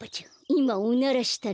いまおならしたね。